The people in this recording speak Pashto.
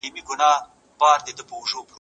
سره او سپین لرل د اصلي شتمنۍ نښه نه ده.